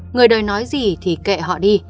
người đời nói gì thì kệ họ đi